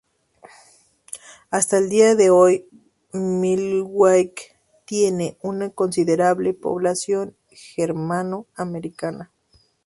Hasta el día de hoy Milwaukee tiene una considerable población germano-americana.